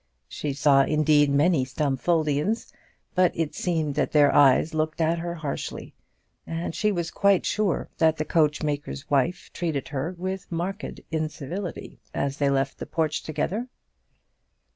She saw, indeed, many Stumfoldians, but it seemed that their eyes looked at her harshly, and she was quite sure that the coachmaker's wife treated her with marked incivility as they left the porch together.